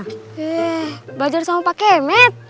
eh belajar sama pak kemet